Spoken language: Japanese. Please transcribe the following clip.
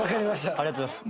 ありがとうございます。